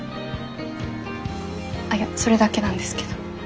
あっいやそれだけなんですけど。